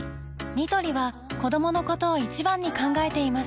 ニトリは子どものことを一番に考えています